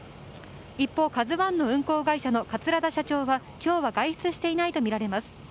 一方、「ＫＡＺＵ１」の運航会社の桂田社長は今日は外出していないとみられます。